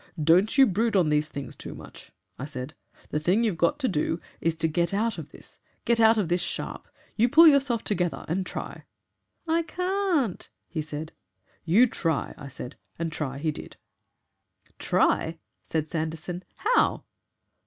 'Don't you brood on these things too much,' I said. 'The thing you've got to do is to get out of this get out of this sharp. You pull yourself together and TRY.' 'I can't,' he said. 'You try,' I said, and try he did." "Try!" said Sanderson. "HOW?"